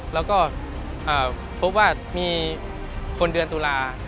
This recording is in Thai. แล้วก็พบว่ามีคนเดือนตุลา